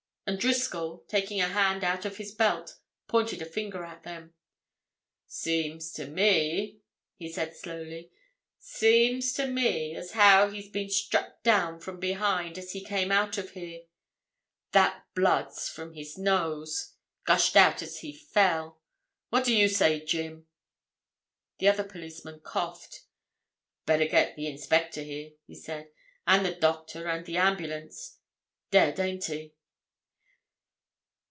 And Driscoll, taking a hand out of his belt, pointed a finger at them. "Seems to me," he said, slowly, "seems to me as how he's been struck down from behind as he came out of here. That blood's from his nose—gushed out as he fell. What do you say, Jim?" The other policeman coughed. "Better get the inspector here," he said. "And the doctor and the ambulance. Dead—ain't he?"